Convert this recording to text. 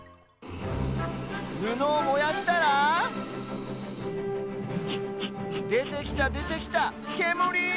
ぬのをもやしたらでてきたでてきたけむり！